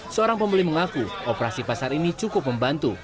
seorang pembeli mengaku operasi pasar ini cukup membantu